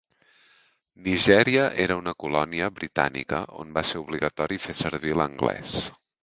Nigèria era una colònia britànica on va ser obligatori fer servir l'anglès.